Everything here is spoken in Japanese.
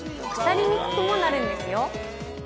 腐りにくくもなるんですよ。